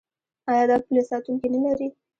آیا دا پوله ساتونکي نلري؟